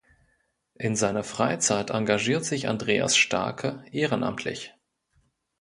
In seiner Freizeit engagiert sich Andreas Starke ehrenamtlich.